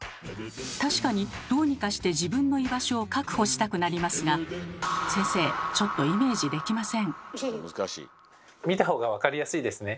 確かにどうにかして自分の居場所を確保したくなりますが先生ちょっと見た方が分かりやすいですね。